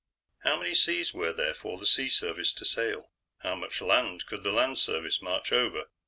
How many seas were there for the Sea Service to sail? How much land could the Land Service march over?